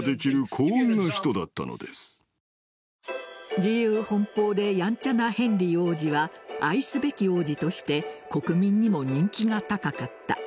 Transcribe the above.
自由奔放でやんちゃなヘンリー王子は愛すべき王子として国民にも人気が高かった。